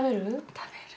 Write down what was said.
食べる。